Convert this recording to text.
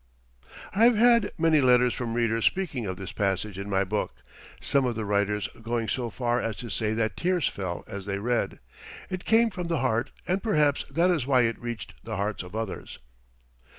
I have had many letters from readers speaking of this passage in my book, some of the writers going so far as to say that tears fell as they read. It came from the heart and perhaps that is why it reached the hearts of others.